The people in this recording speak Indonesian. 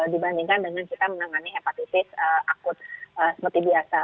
dibandingkan dengan kita menangani hepatitis akut seperti biasa